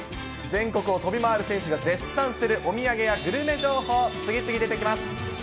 全国を飛び回る選手が絶賛するお土産やグルメ情報、次々出てきます。